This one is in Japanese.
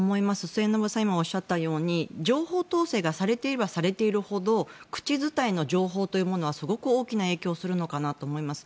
末延さんが今、おっしゃったように情報統制がされていればされているほど口伝いの情報というものはすごく大きく影響するのかなと思います。